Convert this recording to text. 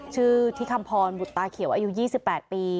ชื่อที่คำพรบุตตาเขียวอายุ๒๘ปี